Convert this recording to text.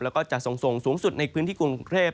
แล้วก็จะส่งสูงสุดในพื้นที่กรุงเทพ